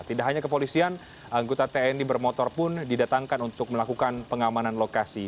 tidak hanya kepolisian anggota tni bermotor pun didatangkan untuk melakukan pengamanan lokasi